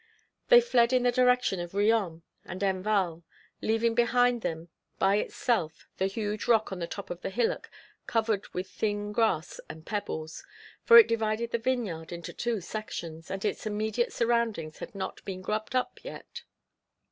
They fled in the direction of Riom and Enval, leaving behind them by itself the huge rock on the top of the hillock covered with thin grass and pebbles, for it divided the vineyard into two sections, and its immediate surroundings had not been grubbed up yet.